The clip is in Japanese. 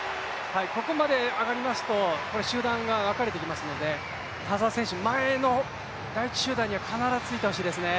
ここまで上がりますと、集団が分かれてきますので、田澤選手、前の第１集団には必ずついてほしいですね。